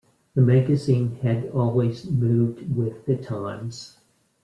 The magazine had always moved with the times.